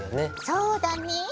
そうだね。